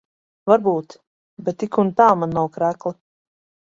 Varbūt. Bet tik un tā man nav krekla.